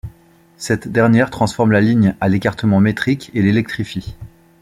Cette dernière transforme la ligne à l'écartement métrique et l'électrifie.